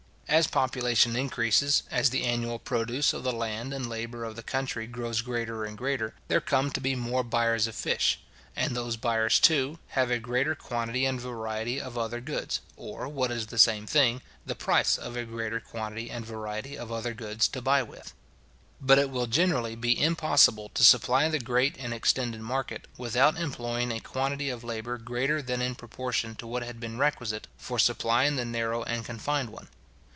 As population increases, as the annual produce of the land and labour of the country grows greater and greater, there come to be more buyers of fish; and those buyers, too, have a greater quantity and variety of other goods, or, what is the same thing, the price of a greater quantity and variety of other goods, to buy with. But it will generally be impossible to supply the great and extended market, without employing a quantity of labour greater than in proportion to what had been requisite for supplying the narrow and confined one.